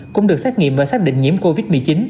cũng được xét nghiệm và xác định nhiễm covid một mươi chín